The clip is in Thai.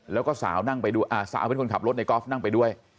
แล้วก็สาวนั่งไปด้วยอ่าสาวเป็นคนขับรถในกอล์ฟนั่งไปด้วย